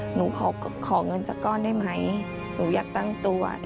หนูขอเงินสักก้อนได้ไหมหนูอยากตั้งตัว